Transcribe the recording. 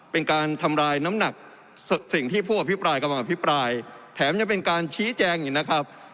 เป็นการทำลายน้ำหนักสิ่งที่ผู้อภิปรายกำลังอภิปรายแถมยังเป็นการชี้แจงอีกนะครับ